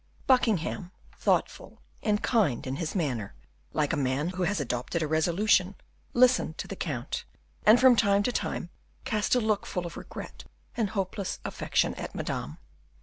Buckingham, thoughtful, and kind in his manner, like a man who has adopted a resolution, listened to the count, and from time to time cast a look full of regret and hopeless affection at Madame.